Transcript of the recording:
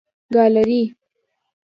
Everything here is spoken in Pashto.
ګالري